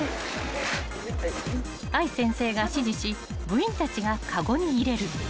［愛先生が指示し部員たちがかごに入れる］